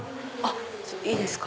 いいですか？